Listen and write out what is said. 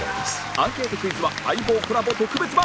アンケートクイズは『相棒』コラボ特別版